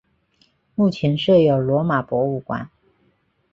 目前设有罗马博物馆。